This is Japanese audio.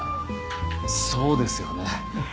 そうですよね。